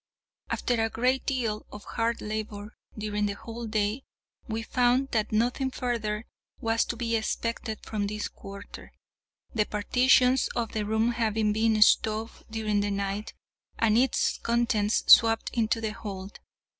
After a great deal of hard labor during the whole day, we found that nothing further was to be expected from this quarter, the partitions of the room having been stove during the night, and its contents swept into the hold.